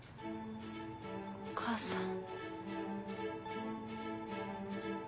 お母さん。